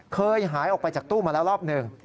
เคยหายออกไปจากตู้มาแล้วรอบหนึ่ง